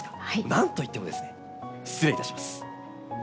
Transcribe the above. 何といってもですね失礼いたします。